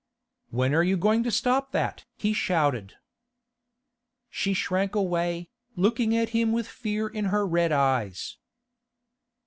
'When are you going to stop that?' he shouted. She shrank away, looking at him with fear in her red eyes.